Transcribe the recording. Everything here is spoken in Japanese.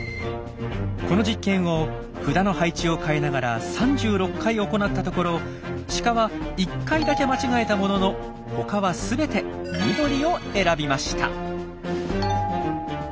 この実験を札の配置をかえながら３６回行ったところシカは１回だけ間違えたものの他は全て緑を選びました。